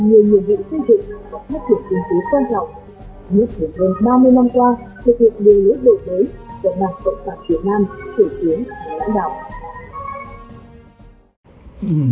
những người hơn ba mươi năm qua thực hiện nhiều nước đội đối cộng bằng tội phạm việt nam thủy xướng lãnh đạo